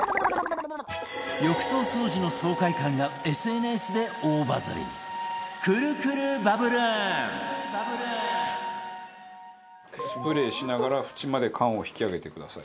浴槽掃除の爽快感が ＳＮＳ で大バズりスプレーしながら縁まで缶を引き上げてください。